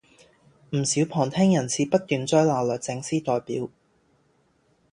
唔少旁聽人士不斷追鬧律政司代表